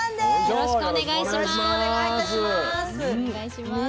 よろしくお願いします。